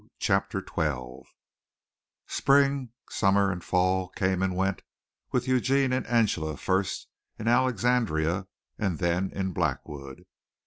CHAPTER XII Spring, summer and fall came and went with Eugene and Angela first in Alexandria and then in Blackwood.